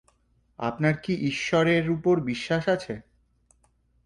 আপনার কি ঈশ্বরে উপর বিশ্বাস আছে?